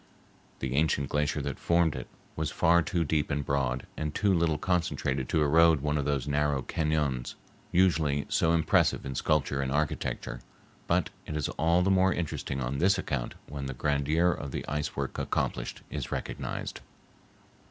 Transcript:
The ancient glacier that formed it was far too deep and broad and too little concentrated to erode one of those narrow cañons, usually so impressive in sculpture and architecture, but it is all the more interesting on this account when the grandeur of the ice work accomplished is recognized.